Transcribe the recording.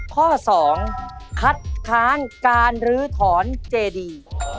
ข้อ๒คัดค้านการลื้อถอนเจดี